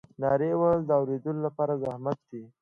نارې وهل د اورېدلو لپاره زحمت دی.